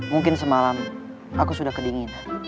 mungkin semalam aku sudah kedinginan